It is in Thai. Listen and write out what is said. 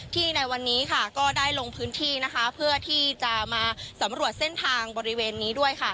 ในวันนี้ค่ะก็ได้ลงพื้นที่นะคะเพื่อที่จะมาสำรวจเส้นทางบริเวณนี้ด้วยค่ะ